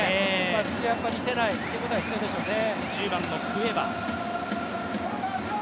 隙を見せないということが必要でしょうね。